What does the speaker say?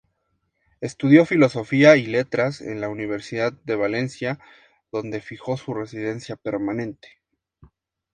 Estudió Filosofía y Letras en la Universidad de Valencia donde fijó su residencia permanente.